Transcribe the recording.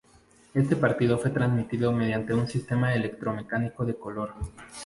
Este partido fue transmitido mediante un sistema electromecánico de color.